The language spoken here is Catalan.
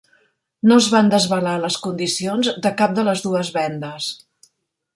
No es van desvelar les condicions de cap de les dues vendes.